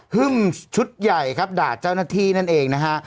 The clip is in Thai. ฮึ่มชุดใหญ่ครับด่าเจ้าหน้าที่นั่นเองนะฮะ